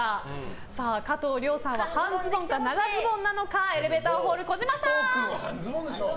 加藤諒さんは半ズボンか、長ズボンなのかエレベーターホールの児嶋さん！